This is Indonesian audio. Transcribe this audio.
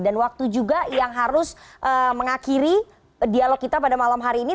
dan waktu juga yang harus mengakhiri dialog kita pada malam hari ini